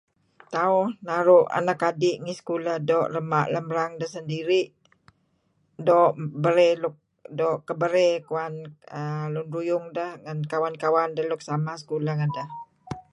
Ta'uh naruh anak kadih ngi sekulah do do ramah lam rang idah sendirih, do barey luk do kabarey kuan[aah]lun ruyung dah, kawan kawan luk sama sekulah ngadah [ handphone ring sound]